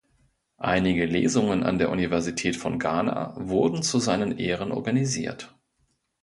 Einige Lesungen an der Universität von Ghana wurden zu seinen Ehren organisiert.